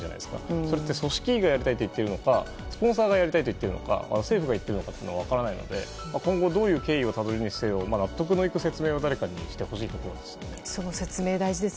それって組織員がやりたいと言っているのかスポンサーが言っているのか政府が言っているのか分からないので今後どういう経緯をたどるにせよ納得のいく説明を誰かにしてほしいと思います。